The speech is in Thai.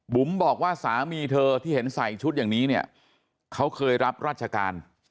บอกว่าสามีเธอที่เห็นใส่ชุดอย่างนี้เนี่ยเขาเคยรับราชการ